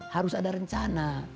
harus ada rencana